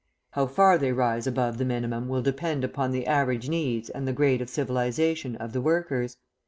How far they rise above the minimum will depend upon the average needs and the grade of civilisation of the workers.